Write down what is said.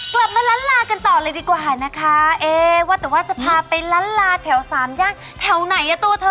กลับมาล้านลากันต่อเลยดีกว่านะคะเอ๊ว่าแต่ว่าจะพาไปล้านลาแถวสามย่างแถวไหนอ่ะตัวเธอ